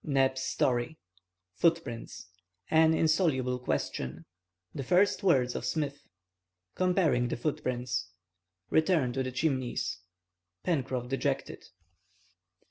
—NEB'S STORY—FOOTPRINTS —AN INSOLUBLE QUESTION—THE FIRST WORDS OF SMITH—COMPARING THE FOOTPRINTS—RETURN TO THE CHIMNEYS—PENCROFF DEJECTED.